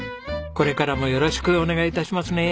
これからもよろしくお願い致しますね。